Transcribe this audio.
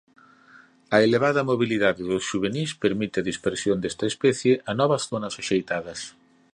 A elevada mobilidade dos xuvenís permite a dispersión desta especie a novas zonas axeitadas.